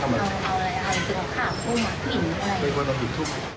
ของข้าวกุ้งไอิมไหม